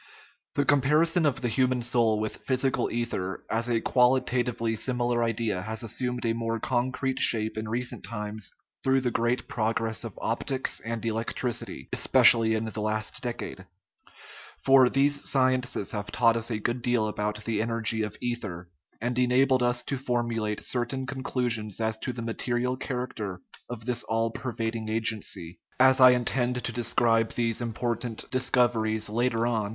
The comparison of the human soul with physical ether as a qualitatively similar idea has assumed a more concrete shape in recent times through the great progress of optics and electricity (especially in the last decade) ; for these sciences have taught us a good deal about the energy of ether, and enabled us to formulate certain conclusions as to the material character of this all pervading agency. As I intend to describe these important discoveries later on (in chap, xii.)